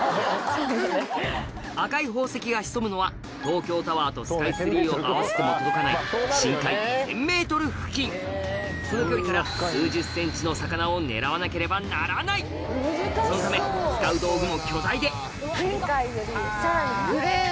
赤い宝石が潜むのは東京タワーとスカイツリーを合わせても届かない深海１０００ｍ付近その距離から数十ｃｍの魚を狙わなければならないそのため使う道具も巨大でさらに。